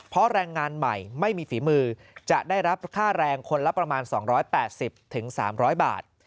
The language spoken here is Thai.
เพราะแรงงานใหม่ไม่มีฝีมือจะได้รับค่าแรงคนละประมาณ๒๘๐๓๐๐บาท